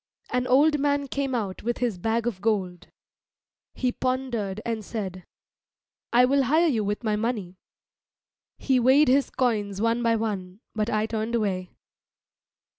An old man came out with his bag of gold. He pondered and said, "I will hire you with my money." He weighed his coins one by one, but I turned away.